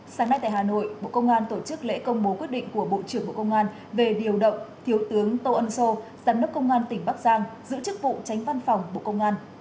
sáng nay tại hà nội bộ công an tổ chức lễ công bố quyết định của bộ trưởng bộ công an về điều động thiếu tướng tô ân sô giám đốc công an tỉnh bắc giang giữ chức vụ tránh văn phòng bộ công an